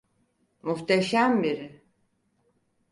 Muhteşem biri.